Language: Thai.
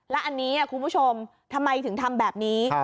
และอันนี้คุณผู้ชมทำไมถึงทำแบบนี้